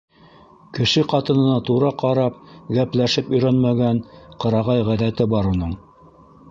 Кеше ҡатынына тура ҡарап гәпләшеп өйрәнмәгән ҡырағай ғәҙәте бар уның.